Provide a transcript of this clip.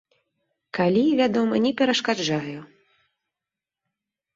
Калі, вядома, не перашкаджаю.